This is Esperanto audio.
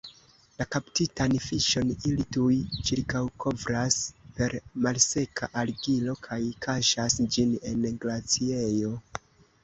La kaptitan fiŝon ili tuj ĉirkaŭkovras per malseka argilo kaj kaŝas ĝin en glaciejo.